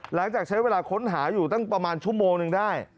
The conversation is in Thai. หลังจากใช้เวลาค้นหาอยู่ตั้งประมาณชั่วโมงหนึ่งได้